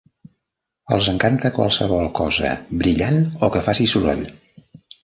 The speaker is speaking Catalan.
Els encanta qualsevol cosa brillant o que faci soroll.